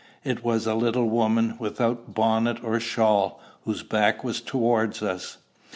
It was a little woman, without bonnet or shawl, whose back was towards us.